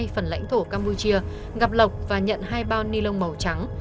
phần lãnh thổ campuchia gặp lộc và nhận hai bao ni lông màu trắng